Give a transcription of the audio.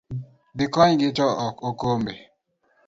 dhi konyogi, to ok okombe.